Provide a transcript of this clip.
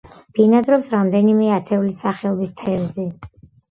ბინადრობს რამდენიმე ათეული სახეობის თევზი.